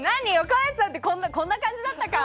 若林さんってこんな感じだったか？